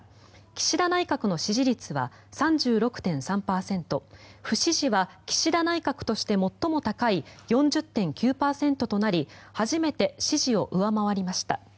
岸田内閣の支持率は３６．３％不支持は岸田内閣として最も高い４０．９％となり初めて支持を上回りました。